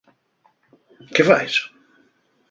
¿Qué faes?